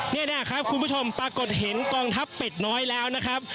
นี่นะครับคุณผู้ชมปรากฏเห็นกองทัพเป็ดน้อยแล้วนะครับ